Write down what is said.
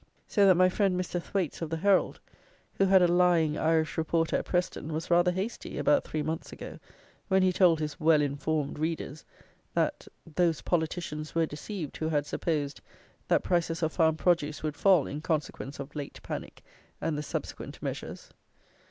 So that my friend Mr. Thwaites of the Herald, who had a lying Irish reporter at Preston, was rather hasty, about three months ago, when he told his well informed readers, that, "those politicians were deceived, who had supposed that prices of farm produce would fall in consequence of 'late panic' and the subsequent measures"!